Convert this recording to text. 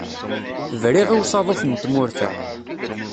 Briɣ i usaḍuf n tmurt-a.